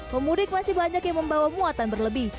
pemudik masih banyak yang membawa muatan berlebih